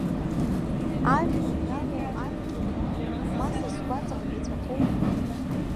Ажәҩан иалоу, адгьыл иқәу, ма са сгәаҵаҟны иҵәахыу?